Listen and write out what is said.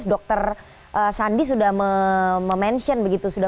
dr sandi sudah